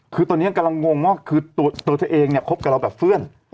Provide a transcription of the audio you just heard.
คือตอนนี้กำลังงงว่าคือตัวเธอเองเนี่ยคบกับเราแบบเพื่อน